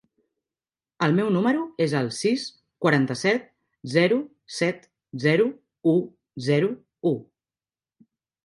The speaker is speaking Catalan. El meu número es el sis, quaranta-set, zero, set, zero, u, zero, u.